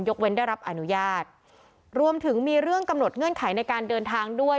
เว้นได้รับอนุญาตรวมถึงมีเรื่องกำหนดเงื่อนไขในการเดินทางด้วย